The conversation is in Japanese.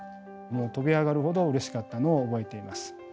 もう跳び上がるほどうれしかったのを覚えています。